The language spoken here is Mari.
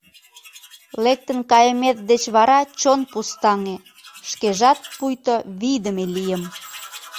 Лектын кайымет деч вара чон пустаҥе, шкежат пуйто вийдыме лийым.